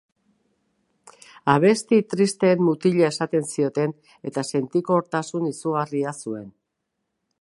Abesti tristeen mutila esaten zioten eta sentikortasun izugarria zuen.